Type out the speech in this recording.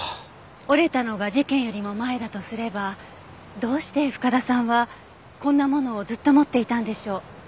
折れたのが事件よりも前だとすればどうして深田さんはこんなものをずっと持っていたんでしょう？